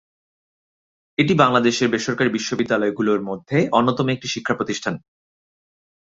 এটি বাংলাদেশের বেসরকারী মাধ্যমিক বিদ্যালয়গুলোর মধ্যে অন্যতম একটি শিক্ষা প্রতিষ্ঠান।